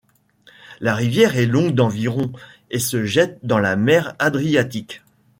La rivière est longue d’environ et se jette dans la mer Adriatique.